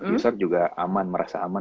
user juga aman merasa aman